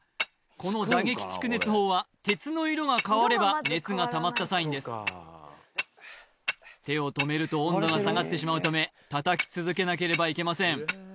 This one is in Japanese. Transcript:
この打撃蓄熱法は鉄の色が変われば熱がたまったサインです手を止めると温度が下がってしまうため叩き続けなければいけません